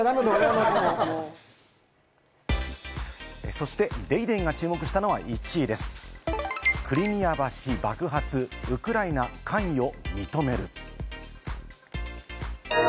そして『ＤａｙＤａｙ．』が注目したのは１位です、クリミア橋爆発、ウクライナ、関与を認める。